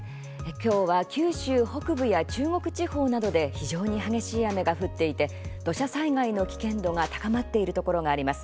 今日は九州北部や中国地方などで非常に激しい雨が降っていて土砂災害の危険度が高まっているところがあります。